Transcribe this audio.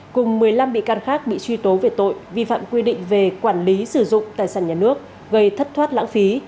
cùng một mươi năm bị can khác bị truy tố về tội vi phạm quy định về quản lý sử dụng tài sản nhà nước gây thất thoát lãng phí